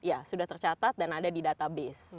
ya sudah tercatat dan ada di database